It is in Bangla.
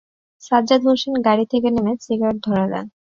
সাজ্জাদ হোসেন গাড়ি থেকে নেমে সিগারেট ধরালেন।